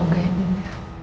semoga ya dinda